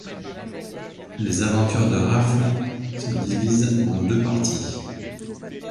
Les aventures de Raffles se divisent en deux parties.